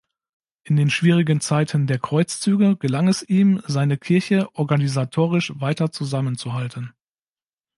In den schwierigen Zeiten der Kreuzzüge gelang es ihm, seine Kirche organisatorisch weiter zusammenzuhalten.